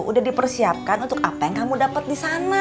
udah dipersiapkan untuk apa yang kamu dapet disana